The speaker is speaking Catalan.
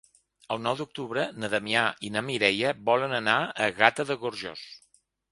El nou d'octubre na Damià i na Mireia volen anar a Gata de Gorgos.